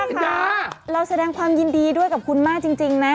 ค่ะเราแสดงความยินดีด้วยกับคุณมากจริงนะ